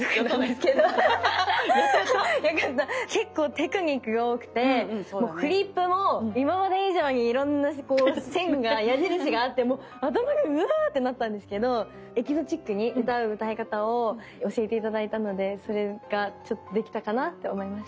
結構テクニックが多くてもうフリップも今まで以上にいろんな線が矢印があってもう頭がうわってなったんですけどエキゾチックに歌う歌い方を教えて頂いたのでそれがちょっとできたかなって思います。